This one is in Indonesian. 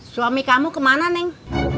suami kamu kemana neng